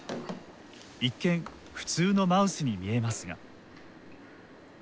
一見普通のマウスに見えますが。